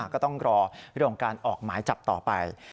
ก็ต้องรอเรื่องของการออกหมายจับต่อไป